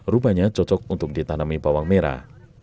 rupanya cocok untuk ditanami bawang merah